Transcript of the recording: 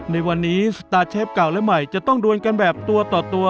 ในวันนี้สตาร์เชฟเก่าและใหม่จะต้องดวนกันแบบตัวต่อตัว